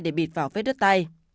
để bịt vào vết đứt tay